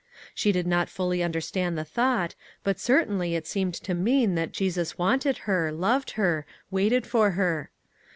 She did not fully understand the thought, but certainly it seemed to mean that Jesus wanted her, loved her, waited for her.